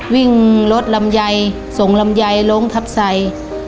วิ่งรถลำไยส่งลำไยลงทับใส่